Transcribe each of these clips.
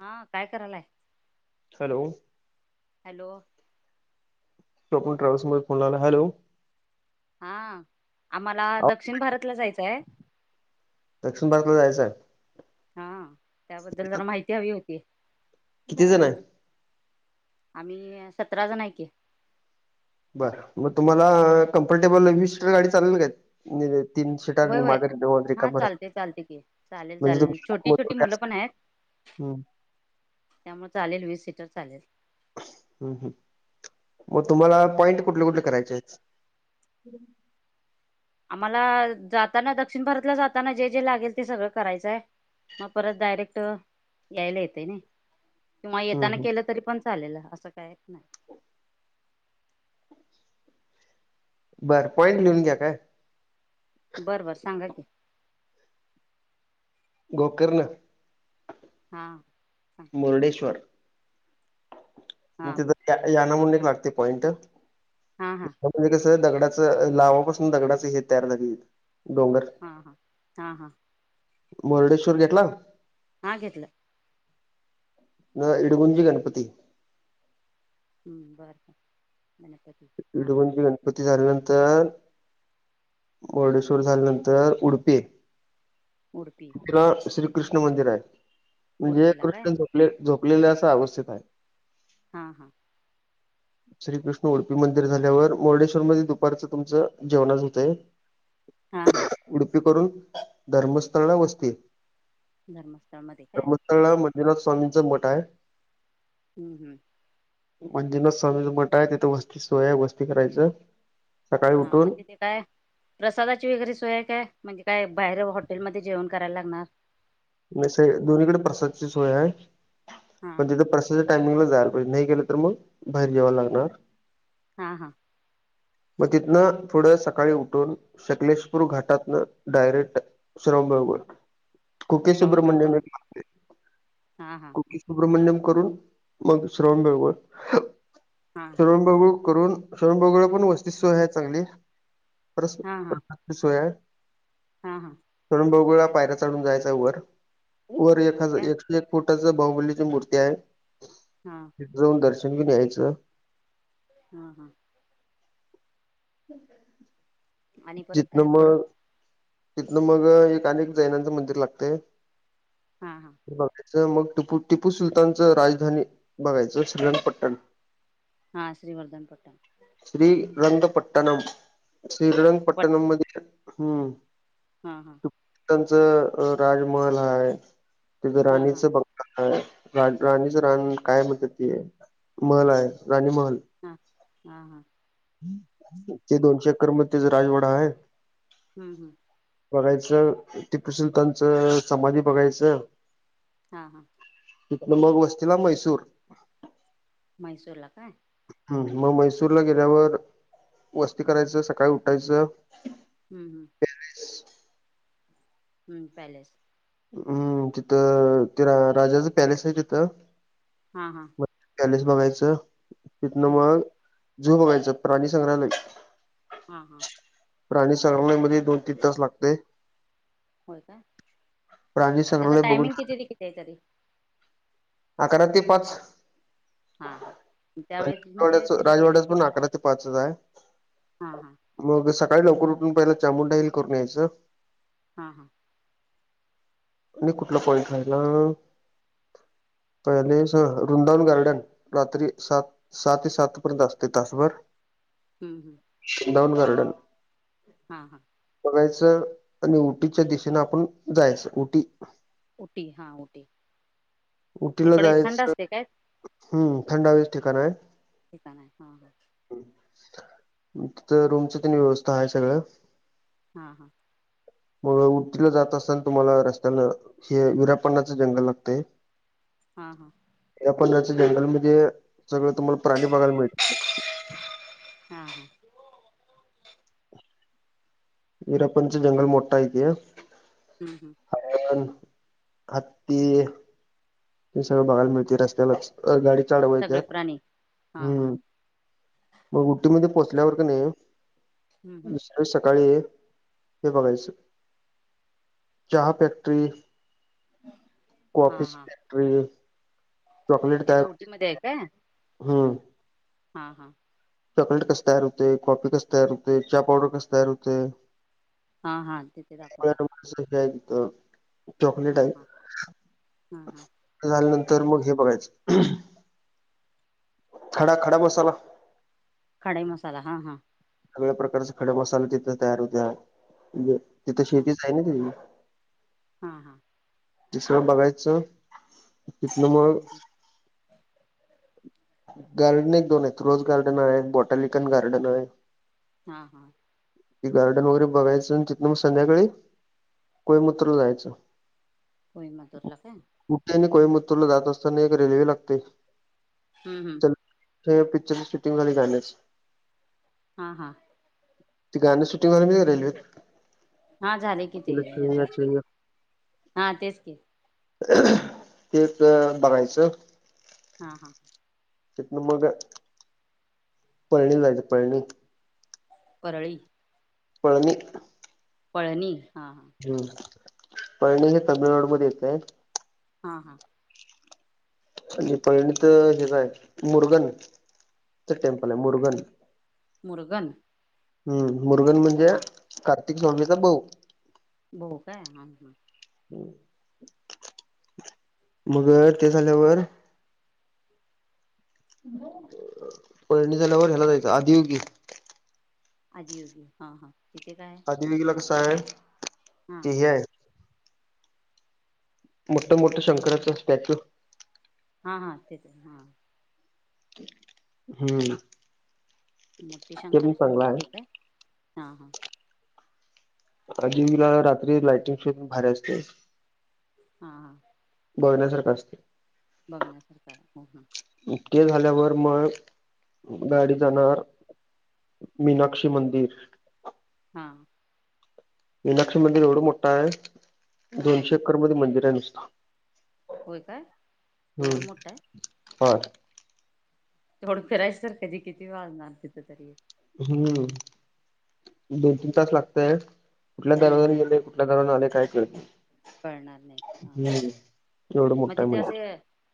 हा काय करायलाय हॅलो हॅलो टोपण ट्रॅ्हल्सध्ये फोन आलं हॅलो हा आम्हाला दक्षिण भारतला जायचंय दक्षिण भारतला जायचं हा त्याबद्दल जरा माहिती हवी होती किती जण आहे आम्ही सतरा जण आहेत की बरं मग तुम्हाला कम्फर्टेबल वीस सीटर गाडी चालेल का होय होय हा चालते चालते की चालेल चालेल छोटी छोटी मुलं पण आहेत [unintelligible] हम त्यामुळे चालेल वीस सीटर चालेल हम् ह् मग तुम्हाला पॉइंट कुठले कुठले करायचे आहेत आम्हाला जाताना दक्षिण भारतला जाताना जे जे लागेल ते सगळं करायचंय मग परत डायरेक्ट यायला येते ना किंवा हं, येताना हं. केलं तरी पण चालेल असं काय नाही बरं पॉईंट लिहून घ्या काय बरं बर सांगा की गोकर्ण हां हां मुर्डेश्वर हां तिथ याना म्ह एक लागते पॉइंट हा हा म्हणजे कसं दगडाचं लावापासून दगडाचं हे तयार झाली डोंगर हां हां हां मुर्डेश्वर घेतला हा घेतलं इडगुंजी गणपती हम्म बर का मप दोघन गणपती झाल्यानंतर मुर्डेश्वर झाल्यानंतर उडुपी उडपी श्रीकृष्ण मंदिर आहे म्हणजे उडपीला काय कृष्ण झोपले झोपलेले असं अवस्थित आहे हा हा [unintelligible] श्रीकृष्ण उडपी मंदिर झाल्यावर मुर्डेश्वर मध्ये दुपारचं तुमचं जेवणच होतंय हा हा उडपी करून धर्मस्थळला वसते धर्मस्थळ मध्ये काय बरं विरोद स्वामींचं मठा आहे हम् हम् म्हणजे ना समी मटा आहे तिथे वस्ती सोय वस्ती करायचं सकाळी हा उठून मगज ते काय प्रसादाची वगैरे सोय काय म्हणजे काय बाहेर हॉटेलमध्ये जेवण करायला लागणार नाही स दोन्हीकडे प्रसादची सोय आहे हा पण हा तिथे प्रसाद त्या टायमिंगला जायला पाहिजे नाही गेले तर मग बाहेर जेव्हा लागणार हा हा [unintelligible] मग तिथनं थोडं सकाळी उठून शकलेशपूर घाटातन डायरेक्ट श्रम बकु कुके श्रवण बेळगोळ सुब्रमण्यमुक हा हा सुब्रमण्यम करून मग श्रवण बेळळ हा हा श्रवण बेगळ करून स्वयं बगळ पण वस्तती सव आहे चांगली पर हा हा सोया हा हा सणण बह वळा पायऱ चढून जायचा वर वरख होय काय एक एक फोटच बाहुबलीची मूर्ती आहे हा तिथे जाऊन दर्शन घेऊन यायचं हम हम आणि परत जितन काय पुढं मग तिथनं मग एक अनेक जैनांचं मंदिर लागते हा हा बघायचं मग टिपू टिपू सुलतानच राजधानी बघायचं श्रीगणपट्टण हा श्रीवर्धनपट्टम श्री रंगपट्टणम पट श्रीरंगपट्टणम मध्ये हम्म हा हा त्यांच राजमहल हा तथ हा हा राणीचं बघ रा राणीच रान काय म्हणत त महल आहे राणी महल हा हा हां ते दोनशे अककर मचा राजवाडा आहे हम् हम् बघायचं टीपशलताच समाधी बघायचं हां हां तिथ मग वस्तीला मैसूर मैसूरला का ह् मग मैसूरला गेल्यावर वस्ती करायचं सकाळी उठायचं. हम् हम्. हम्म पॅलेस हम्म तिथं तेि राजाच पॅलेस आहे तिथं. हा हा. पॅलेस बघायचं तिथनं हम्म मग हम्म झू बघायचं प्राणी संग्रहालय हां हां. प्राणी सग मध्ये दोन तीन तास लागते. होय का प्राणी त्याचा संग्रहालय बघून टायमिंग कितीरी किती आहेच्यारी अकरा ते पाच हां हां त्यावेळेस म्हणजे आणिवाड्याच तिथे गेलं राजवाड्याच की पण अकरा ते पाचच आहे. हां हां मग सकाळी लवकर उठून पहिला चामुंडाईल करून यायचं. हा हा. आणि कुठला पॉईंट राहिला. पहिले स रुंदान गार्डन रात्री सात सात सत पर दस ते दस परर हम् हम् दोन गार्डन हां हां बघायचं आणि उटीच्या दिशेने आपण जायचं उटी उटी हा उऊटी उटला जायच काय हम् थंडावीच ठिकाण आहे. ठिकाण आहे हां हां तथ रूमच त व्यवस्था आहे सगळं. हा हा. मग उडतीला जात असताना तुम्हाला रस्त्याला हे विरापणाचं जंगल लागतं. हा हां. या पच जंगल म्हणजे सगळं तुम्हाला प्राणी बघायला मिळत. हा हा. वीरापनच जंगल मोठा यते. हं् हं. हयण हत्ती हे सगळं बघायला मिळते रस्त्यालाच अ गाडी चाढवाय त्यात सगळे प्राणी हां हां हम्म. मग उटी म पोहोचल्यावर क नाही हं हं वि सकाळी हे बघायचं चहा फॅक्टरी हां हां कॉफीट चॉकलेट का? एम. हम्म. हां हां. चॉकलेट कस तयार होते कॉफी कस तयार होते हा पावडर कस तयार होते. हा हा तिथे दाखवतात. हे त चकलेट हां आहे. हां हां हां झाल्यानंतर मग हे बघायचं. खडा खडा बसाला कडेई मसाला हा हां. सगळ्या प्रकारचे खडे मसाले तिथं तयार होत्या म्हजे तिथे शेतीच आहे ना त हा हा. तिसर बघायचं तथलं हं मग हं गार्डन एक, दोन आहेत. रोझ गार्डन हाय, बॉटॅलिकन गार्डन हाय. हा हा. ते गार्डन वगैरे बघायचं, तिथ न मग संध्याकाळी कोईमतूर ला जायचं. कोई मतूर ला काय? उटी आणि कोइंमतूर ला जात असताना, एक रेल्वे लागते. हुं हुं. तिथं पिक्चरची शूटिंग झाली, गाण्याची हा हा. ते गानं शूटिंग झालय माहिती का रेल्वेेत? हा झालय कि, ते ह्याज हा तेच कि तेच बघायचं. हा हा. तिथंन मग. पळणीला जायचे पळणीत परळी पळनी पळणी हा हा. हम्म पळणी हे तामिळनाडूमध्ये येतय. हा हा. म्हजे पळणीतच हेज हाय, मुरगन च टेम्पल हाय, मुरगन मुरगन हम् मुरगन म्हणजे हा कार्तिक स्वाभीचा भाऊ बघू काय हा हा? मग ते झाल्यावर पळणी झाल्यावर ह्याला जायच, आदि योगी आदी योगी हा हां तिथे काय हाय? आदी योगीला कस हाय? हा. हे हाय. मोठं मोठं शंकराचं स्टॅच्यू हा हा तेच हा. हम्म. मोठी ते पण शंकराची चांगलं मूर्ती आहे काय? हा हा. आदी योगीला रात्री लायटिंग शूट भारी असतय. हा हा. बघण्यासारखं असतय. बघण्यासारखं आहे हो हा. ते झाल्यावर मग गाडी जाणार मीनाक्षी मंदिर हा. मीनाक्षी मंदिर एवढं मोठं हाय, हा दोनशे एकर मध्ये मंदिर हाय नुसतं होय काय एवढ मोठ हाय? व्हय. एवढं फिरायच तर कधी किती वाजणार तिथं तरी? हम्म दोन तीन तास लागतय, कुठल्या हम्म दरवाजान हम्म गेलय? कुठल्या दरवाज्यान आलोय काय कळत नाही? कळणार नाही, हा हा हम्म एवढं मग मोठं आहे तिथ मंदिर असे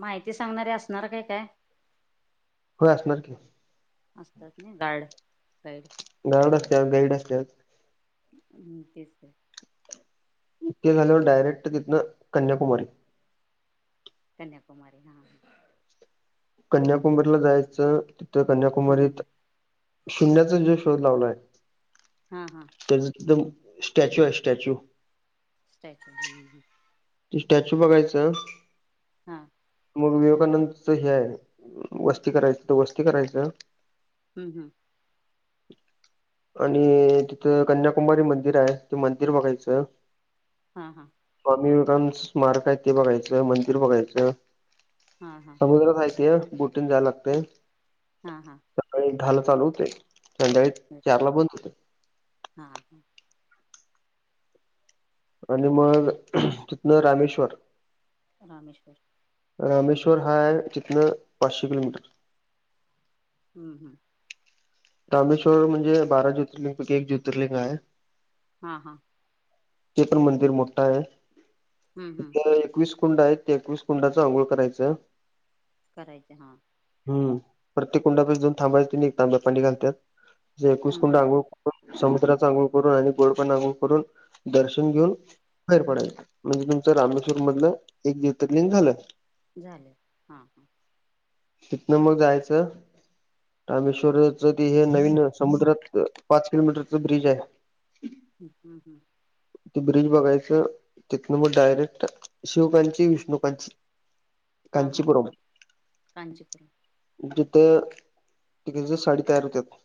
माहिती सांगणारे असणार का काय? होय असणार की, असतात नाही गाड साईड गारड असत गाईड असतात तेच आहे इतके झाल्यावर डायरेक्ट तिथं कन्याकुमारी कन्याकुमारी हा कन्याकुमारीला जायचं तिथं हम्म कन्याकुमारीत शून्याचा जो शोध लावला आहे हा हा तर एकदम स्टॅच्यू आहे स्टॅच्यू स्टॅच्यू ह्म त स्टॅच्यू बघायचं हां मग विवेकानंदच हे आहे वस्ती करायचं तर वस्ती करायचं ह ह [inaudible] आणि तिथं कन्याकुमारी मंदिर आहे ते मंदिर बघायचं हा हा स्वामी विवेकानंदच स्मारक आहे ते बघायचं मंदिर बघायचं हा हा समुद्र साहतीय बुटीन झाला हां हां सकाळी दहाला चालू होते संध्याळी चार ला बंद होते हां हां आणि मग तिथनं रामेश्वर रामेश्वर रामेश्वर हा आहे इथन पाचशे किलोमीटर हम् हं रामेश्वर म्हणजे बारा ज्योतर्लिंंगपैकी एक ज्योतिर्लिंग आहे हा हा ते पण मंदिर मोठा आहे हम्म हम्म तिथं एकवीस कुंड आहेत त्या कुस कुंडांच आंघोळ करायचं करायच हा हम् प्रत्येक कुंडात जोन थांबा एक तांब्या पाणी घातात एकवीस हम्म कुंड हम्म अंघोळ समुद्राचा अघुळ करून आणि गोडपना अघुळ करून दर्शन हम्म घेऊन फैर पडाय म्हणज तुचं रामेश्वर मधलं एक ज्योतिर्लिंग झालं झाले हां हां तिथन मग जायचं रामेश्वर हे नवीन समुद्रात पाच किलोमीटरच ब्रिज आहे ह् हम् हंम ब्रिज बघायचं तिथून मग डायरेक्ट शिवकांची विष्णुकांची हा हा कांचीपुरम कांचीपुरम तिथे तिके साडी र होत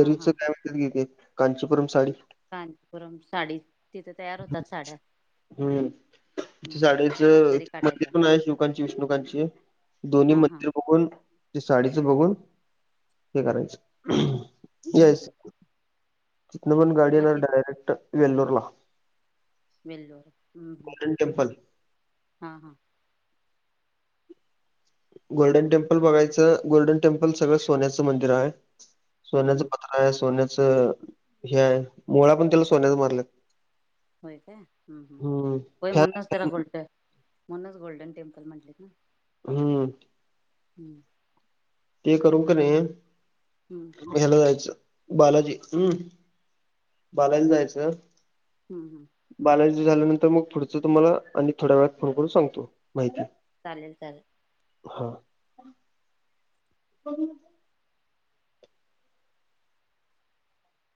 हा हा काय होतथे कांचीपुरम साडी कांतीपुरम साडी तिथे तयार होतात साड्या हम्म इथे हम्म साडेच जरी मंदिर काटाच्या पण आहे शिव कां विष्णुकांची दोन्ही हा हा मंदिर बघून साडीचं बघून हे करायचं हम्म येस हम्म चितन पण गाडी मग येणार ती डायरेक्ट वेल्लोर ला वेल्लोर हम्म हम्म हा हा गोल्डन टेम्पल बघायचं गोल्डन टेम्पल सगळं सोन्याचं मंदिर आहे सोन्याचं पूर्ण पत्र आहे सोन्याचं हे आहे मुळा पण त्याला सोन्याचा मारला होय काय ह होय म्हणूनच त्याला फॅन गोल्ड म्हणूनच गोल्डन टेम्पल म्हटलेत ना हम्म हम्म ते करू क नाही हम्म ह्याला जायचं बालाजी हम् बालाजला जायचं हम् हम् बालाज झाल्यानंतर मग पुढच तुम्हाला आणि थोड्या वेळात फोन करून सांगतो माहिती चालेल चालेल हां हो